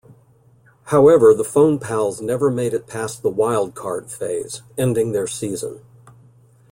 However, the Phone Pals never made it past the wildcard phase, ending their season.